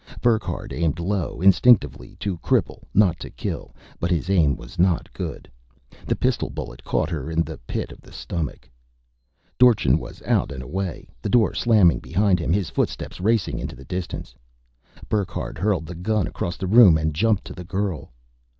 Burckhardt aimed low instinctively, to cripple, not to kill. But his aim was not good. The pistol bullet caught her in the pit of the stomach. Dorchin was out and away, the door slamming behind him, his footsteps racing into the distance. Burckhardt hurled the gun across the room and jumped to the girl.